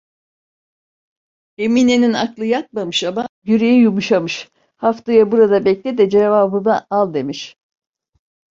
Emine'nin aklı yatmamış ama, yüreği yumuşamış: 'Haftaya burada bekle de cevabımı al!' demiş.